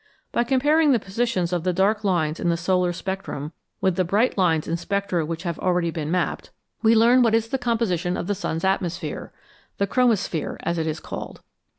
By comparing the positions of the dark lines in the solar spectrum with the bright lines in spectra which have already been mapped, we learn CHEMISTRY OF THE STARS what is the composition of the surfs atmosphere the chromosphere, as it is called.